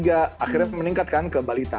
akhirnya meningkatkan ke balita